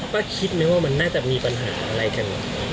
คิดไหมว่ามันน่าจะมีปัญหาอะไรกัน